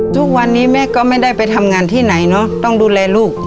ทุกวันนี้แม่ก็ไม่ได้ไปทำงานที่ไหนเนอะต้องดูแลลูก